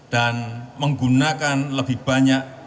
dan menggunakan lebih banyak